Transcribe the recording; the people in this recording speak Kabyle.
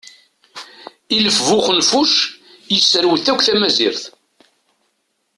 Ilef bu uxenfuc yesserwet akk tamazirt.